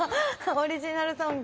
オリジナルソング。